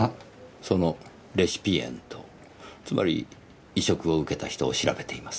そのレシピエントつまり移植を受けた人を調べています。